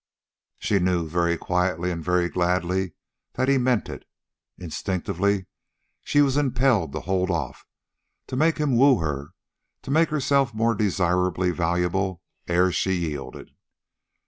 She knew, very quietly and very gladly, that he meant it. Instinctively she was impelled to hold off, to make him woo her, to make herself more desirably valuable ere she yielded.